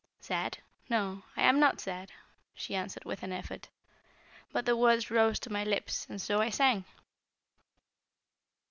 "Sad? No, I am not sad," she answered with an effort. "But the words rose to my lips and so I sang."